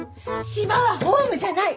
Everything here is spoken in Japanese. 島はホームじゃない。